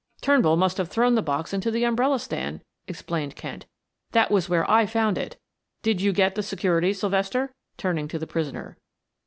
"Turnbull must have thrown the box into the umbrella stand," explained Kent. "That was where I found it. Did you get the securities, Sylvester?" turning to the prisoner.